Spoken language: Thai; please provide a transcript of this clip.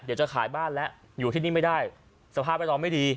เดี๋ยวจะขายบ้านแล้วอยู่ที่นี่ไม่ได้สภาพแวดล้อมไม่ดี